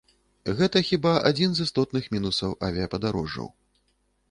Гэта, хіба, адзін з істотных мінусаў авіяпадарожжаў.